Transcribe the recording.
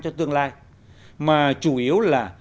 cho tương lai mà chủ yếu là